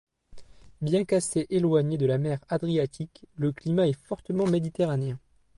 Bien qu’assez éloigné de la mer Adriatique, le climat est fortement méditerranéen.